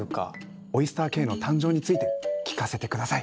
オイスターＫの誕生について聞かせて下さい。